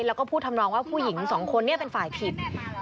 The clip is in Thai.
แล้วก็พูดทำนองว่าผู้หญิงสองคนนี้เป็นฝ่ายผิด